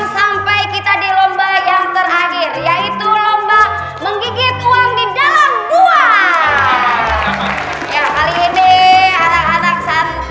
sampai kita di lomba yang terakhir yaitu lomba menggigit uang di dalam buah